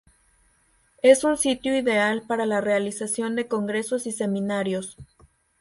Es un sitio ideal para la realización de congresos y seminarios.